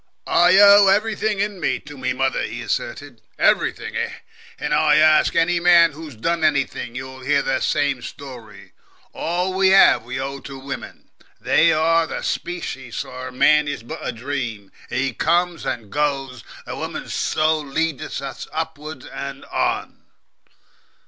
"I owe everything in me to me mother," he asserted "everything. Eh!" and "ask any man who's done anything. You'll hear the same story. All we have we owe to women. They are the species, sorr. Man is but a dream. He comes and goes. The woman's soul leadeth us upward and on!"